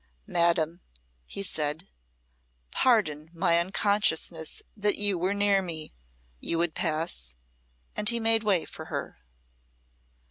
"Madam," he said, "pardon my unconsciousness that you were near me. You would pass?" And he made way for her.